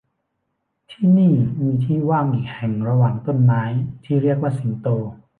ที่นี่มีที่ว่างอีกแห่งระหว่างต้นไม้ที่เรียกว่าสิงโต